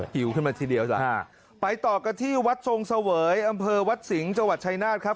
หิวขึ้นมาทีเดียวจ้ะไปต่อกันที่วัดทรงเสวยอำเภอวัดสิงห์จังหวัดชายนาฏครับ